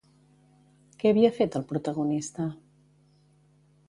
Què havia fet el protagonista?